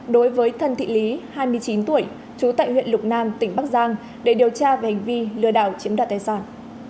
đối với thân thị lý hai mươi chín tuổi trú tại huyện lục nam tỉnh bắc giang để điều tra về hành vi lừa đảo chiếm đoạt tài sản